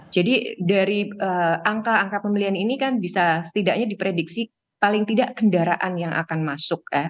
jadi dari angka angka pembelian ini kan bisa setidaknya diprediksi paling tidak kendaraan yang akan masuk ya